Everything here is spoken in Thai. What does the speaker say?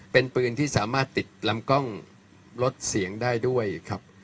เป็นปืนที่สามารถติดลำกล้องลดเสียงได้ด้วยครับ